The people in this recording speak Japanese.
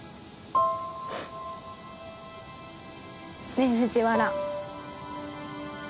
ねぇ藤原。